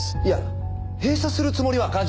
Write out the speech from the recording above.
いや閉鎖するつもりは。